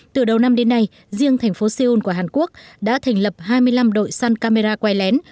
từ đầu năm đến nay riêng thành phố seoul của hàn quốc đã thành lập hai mươi năm đội săn camera quay lén